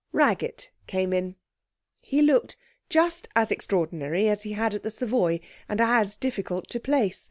Raggett came in. He looked just as extraordinary as he had at the Savoy and as difficult to place.